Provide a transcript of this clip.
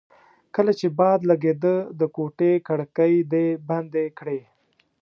کله چې باد لګېده د کوټې کړکۍ دې بندې کړې.